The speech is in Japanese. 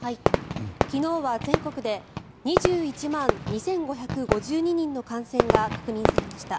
昨日は全国で２１万２５５２人の感染が確認されました。